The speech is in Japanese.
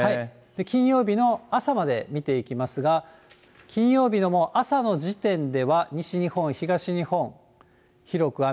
金曜日の朝まで見ていきますが、金曜日の朝の時点では西日本、東日本、広く雨。